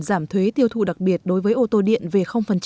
giảm thuế tiêu thụ đặc biệt đối với ô tô điện về